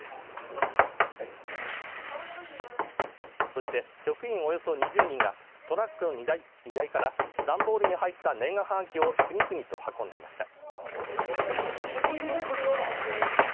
そして職員およそ２０人がトラックの荷台から段ボールに入った年賀はがきを次々と運んでいました。